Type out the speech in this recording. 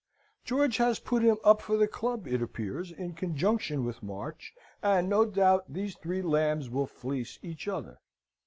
George has put him up for the club, it appears, in conjunction with March, and no doubt these three lambs will fleece each other.